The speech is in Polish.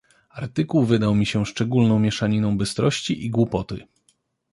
"Artykuł wydał mi się szczególną mieszaniną bystrości i głupoty."